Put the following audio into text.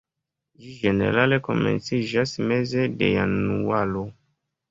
Ĝi ĝenerale komenciĝas meze de januaro.